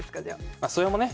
まそれもね